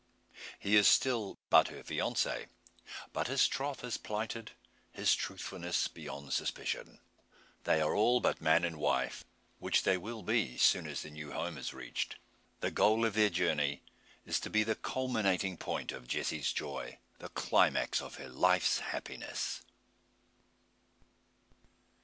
He is still but her fiancee; but his troth is plighted, his truthfulness beyond suspicion. They are all but man and wife; which they will be soon as the new home is reached. The goal of their journey is to be the culminating point of Jessie's joy the climax of her life's happiness.